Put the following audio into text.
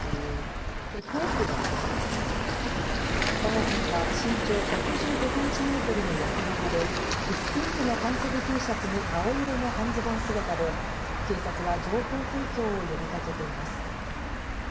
朝芽さんは身長１１５センチメートルのやせ形で薄ピンクの半袖Ｔシャツに青色の半ズボン姿で警察は情報提供を呼びかけています。